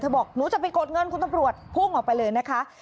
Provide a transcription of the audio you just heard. บอกหนูจะไปกดเงินคุณตำรวจพุ่งออกไปเลยนะคะ